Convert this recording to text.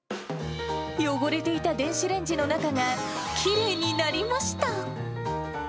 汚れていた電子レンジの中が、きれいになりました。